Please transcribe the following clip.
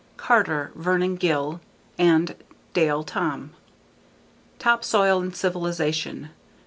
_ Carter, Vernon Gill and Dale, Tom. _Topsoil and Civilization.